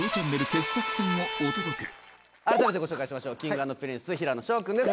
改めてご紹介しましょうＫｉｎｇ＆Ｐｒｉｎｃｅの平野紫耀くんです。